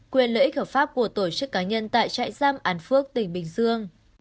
quyền lợi ích hợp pháp của tổ chức cá nhân tại trại giam an phước tỉnh bình dương